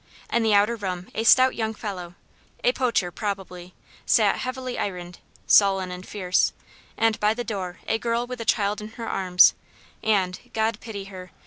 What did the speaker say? In the outer room a stout young fellow a poacher, probably sat heavily ironed, sullen and fierce; and by the door a girl with a child in her arms, and God pity her!